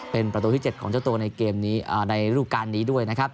เป็นประตูที่๗ของเจ้าตัวในเกมนี้ในรูปการณ์นี้ด้วยนะครับ